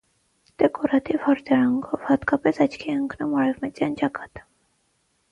Տեկորատիւ հարդարանքով յատկապէս աչքի է ընկնում արեւմտեան ճակատը։